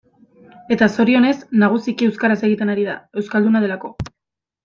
Eta zorionez, nagusiki euskaraz egiten ari da, euskalduna delako.